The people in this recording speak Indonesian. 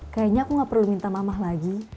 kayaknya aku gak perlu minta mamah lagi